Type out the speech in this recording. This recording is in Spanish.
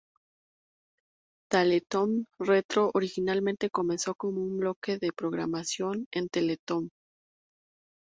Teletoon Retro originalmente comenzó como un bloque de programación en Teletoon.